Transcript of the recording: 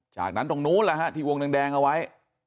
จากนั้นตรงนู้นที่วงแดงเอาไว้